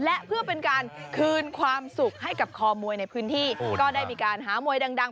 และเพื่อเป็นการคืนความสุขให้กับคอมวยในพื้นที่ก็ได้มีการหามวยดัง